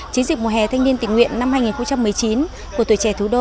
chiến dịch mùa hè thanh niên tình nguyện năm hai nghìn một mươi chín của tuổi trẻ thủ đô